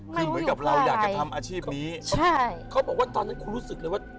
คือเหมือนกับเราอยากจะทำอาชีพนี้ใช่เขาบอกว่าตอนนั้นคุณรู้สึกเลยว่า